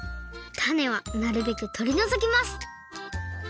たねはなるべくとりのぞきます